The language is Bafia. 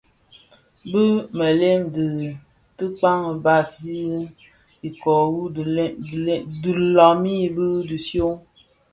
Belem dhi tikaň bas bi iköö wu dhilami, bi dhishyon,